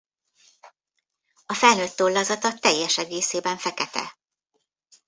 A felnőtt tollazata teljes egészében fekete.